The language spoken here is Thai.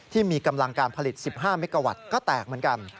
ที่มีกำลังการผลิต๑๕เมกาวัตต์ก็แตกเหมือนกัน